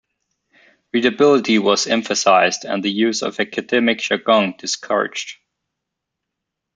Readability was emphasized and the use of academic jargon discouraged.